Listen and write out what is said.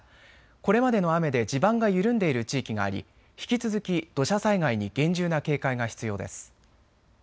これまでの雨で地盤が緩んでいる地域があり引き続き土砂災害に厳重な警戒が必要です。